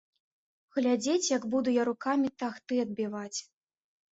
Глядзець, як буду я рукамі тахты адбіваць.